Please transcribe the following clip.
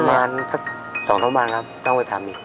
ประมาณสักสองเท่าไหร่ครับต้องไปทำอีก